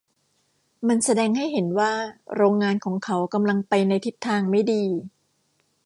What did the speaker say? มันแสดงให้เห็นว่าโรงงานของเขากำลังไปในทิศทางไม่ดี